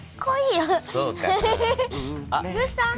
よしさん。